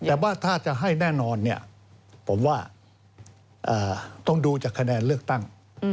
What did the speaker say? แต่ว่าถ้าจะให้แน่นอนเนี่ยผมว่าต้องดูจากคะแนนเลือกตั้ง